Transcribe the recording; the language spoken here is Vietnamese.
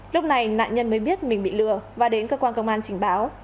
lúc này nạn nhân mới biết mình bị lừa và đến cơ quan công an trình báo